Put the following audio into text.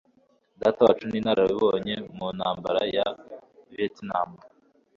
Datawacu ni inararibonye mu Ntambara ya Vietnam.